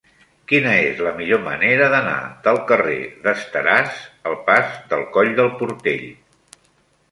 Quina és la millor manera d'anar del carrer d'Esteràs al pas del Coll del Portell?